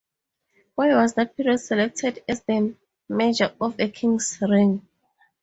Why was that period selected as the measure of a king's reign?